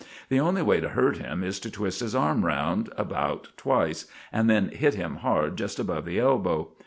The only way to hurt him is to twist his arm round, about twice, and then hit him hard just above the elbow.